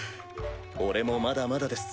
俺もまだまだです。